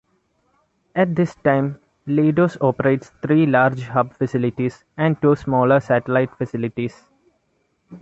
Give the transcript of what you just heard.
At this time Leidos operates three large hub facilities and two smaller satellite facilities.